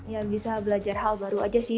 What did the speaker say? ya bisa belajar hal baru aja sih